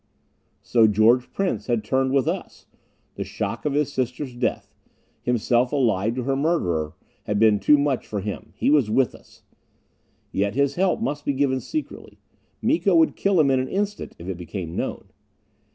So George Prince had turned with us! The shock of his sister's death himself allied to her murderer! had been too much for him. He was with us! Yet his help must be given secretly. Miko would kill him in an instant if it became known.